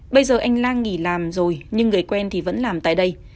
bây giờ anh lan nghỉ làm rồi nhưng người quen thì vẫn làm tại đây